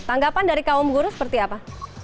tanggapan dari kaum guru seperti apa